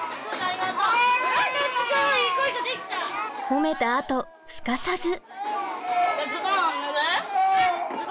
褒めたあとすかさず！